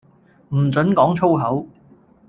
唔准講粗口